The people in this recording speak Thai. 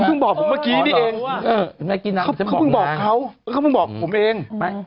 บอกผมเมื่อกี้นี่เองเขาเพิ่งบอกเขาเขาเพิ่งบอกผมเอง